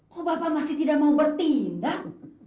kok bapak masih tidak mau bertindak